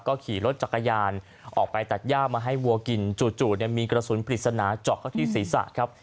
ก็ขี่รถจักรยานออกไปตัดย่ามาให้วัวกินจู่มีกระสุนปริศนาเจาะเข้าที่ศีรษะครับ